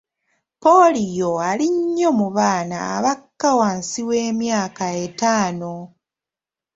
Ppoliyo ali nnyo mu baana abakka wansi w'emyaka ettaano.